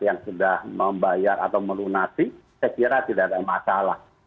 yang sudah membayar atau melunasi saya kira tidak ada masalah